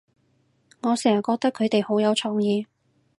我成日覺得佢哋好有創意